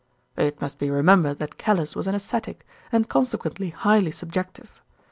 "It must be remembered that Callice was an ascetic, and consequently highly subjective.